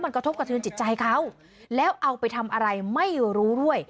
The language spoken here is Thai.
มันกระทบกระเทือนจิตใจเขาแล้วเอาไปทำอะไรไม่รู้ด้วย